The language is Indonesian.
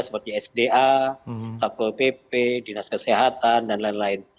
seperti sda satpol pp dinas kesehatan dan lain lain